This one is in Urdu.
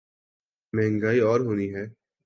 مہنگائی اور ہونی ہے۔